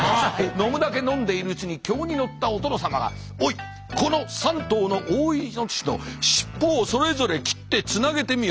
飲むだけ飲んでいるうちに興に乗ったお殿様が「おいこの３頭の大イノシシの尻尾をそれぞれ切ってつなげてみよ」。